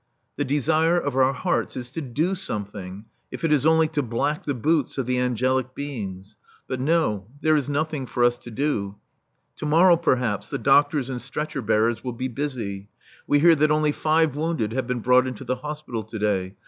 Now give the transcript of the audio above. The desire of our hearts is to do something, if it is only to black the boots of the angelic beings. But no, there is nothing for us to do. To morrow, perhaps, the doctors and stretcher bearers will be busy. We hear that only five wounded have been brought into the hospital to day.